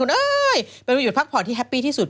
เอ้ยเป็นวันหยุดพักผ่อนที่แฮปปี้ที่สุด